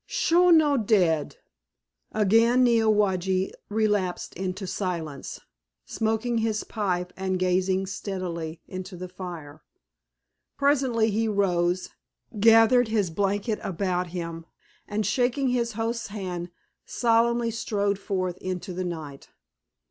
"Sho no dead!" Again Neowage relapsed into silence, smoking his pipe and gazing steadily into the fire. Presently he rose, gathered his blanket about him, and shaking his host's hand solemnly strode forth into the night.